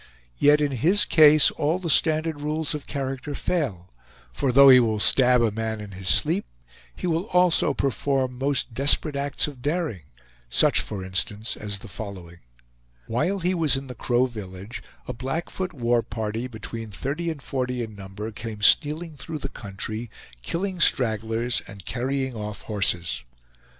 Yet in his case all the standard rules of character fail, for though he will stab a man in his sleep, he will also perform most desperate acts of daring; such, for instance, as the following: While he was in the Crow village, a Blackfoot war party, between thirty and forty in number came stealing through the country, killing stragglers and carrying off horses.